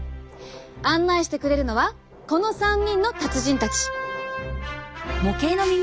案内してくれるのはこの３人の達人たち！